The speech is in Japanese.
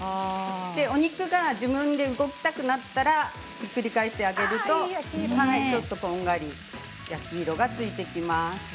お肉が自分で動きたくなったらひっくり返してあげるとちょっとこんがり焼き色がついてきます。